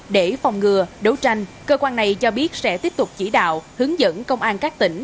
để phòng ngừa đấu tranh cơ quan này cho biết sẽ tiếp tục chỉ đạo hướng dẫn công an các tỉnh